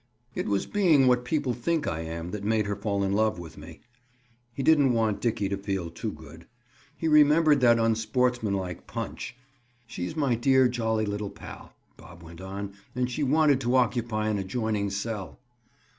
"It was being what people think I am that made her fall in love with me." He didn't want Dickie to feel too good. He remembered that unsportsmanlike punch. "She's my dear jolly little pal," Bob went on, "and she wanted to occupy an adjoining cell."